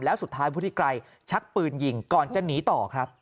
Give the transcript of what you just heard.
แล้วสุดท้ายวุฒิไกรชักปืนยิงก่อนจะหนีต่อครับ